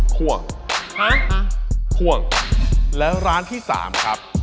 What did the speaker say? คว่องคว่องแล้วร้านที่๓ครับ